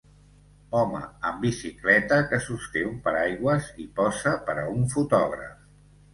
Home amb bicicleta que sosté un paraigües i posa per a un fotògraf.